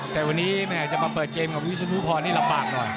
แต่วันนี้แม่จะมาเปิดเกมกับวิศนุพรนี่ลำบากหน่อย